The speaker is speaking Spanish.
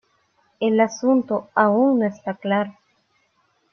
El asunto aún no está claro.